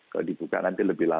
kalau dibuka nanti lebih lama